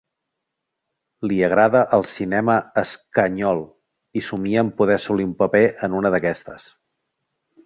Li agrada el cinema espanyol, i somnia en poder assolir un paper en una d'aquestes.